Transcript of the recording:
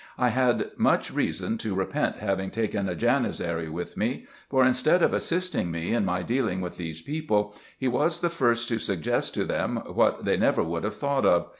I had much reason to repent having taken a Janizary with me, for instead of assisting me in my dealing with these people, he was the first to suggest to them what they never would have thought of.